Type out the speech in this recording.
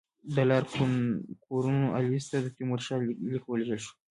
د لارډ کورنوالیس ته د تیمورشاه لیک ولېږل شو.